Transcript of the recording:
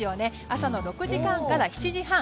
朝の６時半から７時半。